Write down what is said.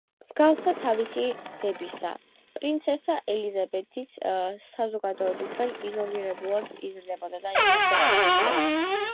მსგავსად თავისი დებისა, პრინცესა ელიზაბეთიც საზოგადოებისაგან იზოლირებულად იზრდებოდა და იღებდა განათლებას.